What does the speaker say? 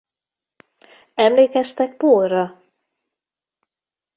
Emlékeztek Paulra?